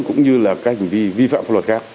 cũng như là các hành vi vi phạm pháp luật khác